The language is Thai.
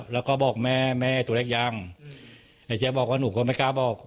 แล้วก็บอกแม่แม่ตัวเล็กยังแต่เจ๊บอกว่าหนูก็ไม่กล้าบอก